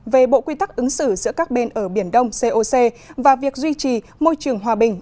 về bộ quy tắc ứng xử giữa các bên ở biển đông coc và việc duy trì môi trường hòa bình